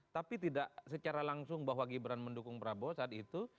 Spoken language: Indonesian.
tapi tidak secara langsung bahwa gibran mendukung prabowo saat itu